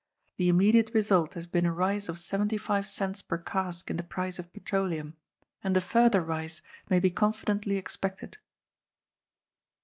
The imme diate result has been a rise of seventy five cents per cask in the price of petroleum, and a further rise may be confi dently expected.'